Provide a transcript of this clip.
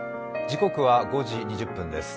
時刻は５時２０分です。